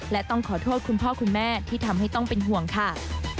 และต้องขอโทษคุณพ่อคุณแม่ที่ทำให้ต้องเป็นห่วงค่ะ